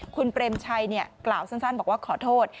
คุณเปรมชัยกล่าวสั้นบอกว่าขอโทษ